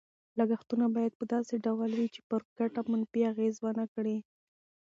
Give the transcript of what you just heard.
لګښتونه باید په داسې ډول وي چې پر ګټه منفي اغېز ونه کړي.